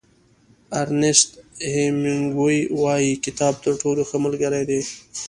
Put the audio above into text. ارنیست هېمېنګوی وایي کتاب تر ټولو ښه ملګری دی.